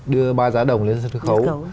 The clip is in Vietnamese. đưa ba giá đồng lên sân khấu